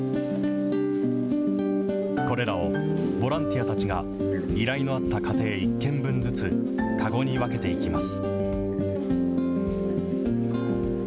これらをボランティアたちが、依頼のあった家庭一軒分ずつ籠に分けていきます。